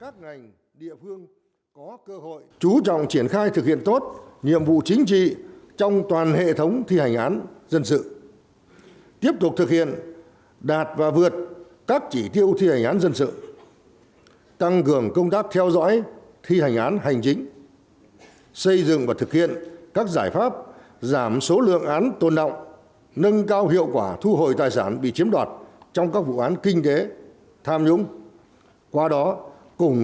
các ngành địa phương có cơ hội chú trọng triển khai thực hiện tốt nhiệm vụ chính trị trong toàn hệ thống thi hành án dân sự tiếp tục thực hiện đạt và vượt các chỉ tiêu thi hành án dân sự tăng cường công tác theo dõi thi hành án hành chính xây dựng và thực hiện các giải pháp giảm số lượng án tồn động nâng cao hiệu quả thu hồi tài sản bị chiếm đoạt trong các vụ án kinh tế tham nhũng